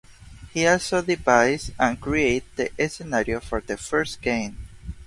He also devised and created the scenario for the first game.